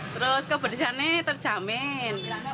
terus kebersihannya terjamin